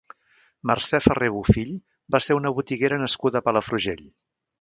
Mercè Ferrer Bofill va ser una botiguera nascuda a Palafrugell.